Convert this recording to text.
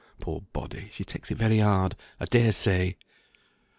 Poor body; she takes it very hard, I dare say!"